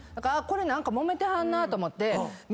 何かもめてはんなぁと思って。